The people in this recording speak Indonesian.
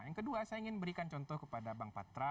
yang kedua saya ingin berikan contoh kepada bang patra